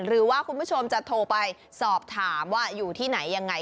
คุณผู้ชมจะโทรไปสอบถามว่าอยู่ที่ไหนยังไง